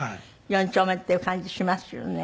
４丁目っていう感じしますよね。